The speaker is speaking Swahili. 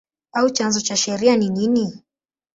au chanzo cha sheria ni nini?